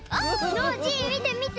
ノージーみてみて！